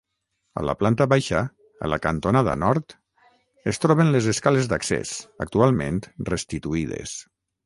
A la planta baixa, a la cantonada nord, es troben les escales d'accés, actualment restituïdes.